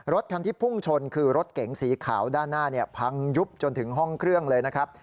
รถคันที่พุ่งชนคือรถเก๋งสีขาวด้านหน้าพังยุบจนถึงห้องเครื่องเลยนะครับ